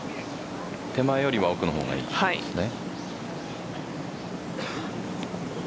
手前よりは奥のほうがいいということですね。